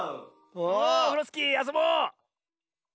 オフロスキーあそぼう！